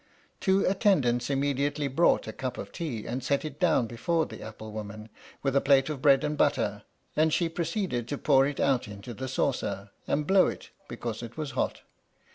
Two attendants immediately brought a cup of tea, and set it down before the apple woman, with a plate of bread and butter; and she proceeded to pour it into the saucer, and blow it, because it was hot.